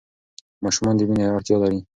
ماشومان د مینې اړتیا لري.